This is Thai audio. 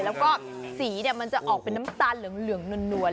แล้วก็สีมันจะออกเป็นน้ำตาลเหลืองนวล